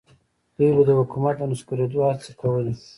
دوی به د حکومت د نسکورېدو هڅې کولې.